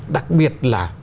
đặc biệt là